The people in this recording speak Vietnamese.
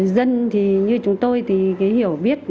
dân như chúng tôi thì hiểu biết